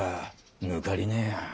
抜かりねえや。